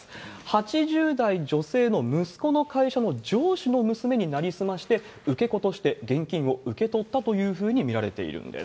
８０代女性の息子の会社の上司の娘に成り済まして、受け子として現金を受け取ったというふうに見られているんです。